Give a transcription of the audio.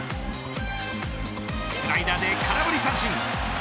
スライダーで空振り三振。